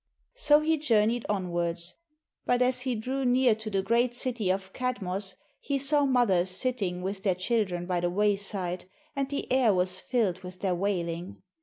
So he journeyed onwards; but as he drew near to the great city of Kadmos, he saw mothers sitting with their children by the wayside, and the air was filled with their wailing.